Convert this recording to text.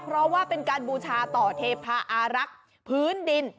เพราะว่าเป็นการบูชาต่อเทพาอารักษ์พื้นดิน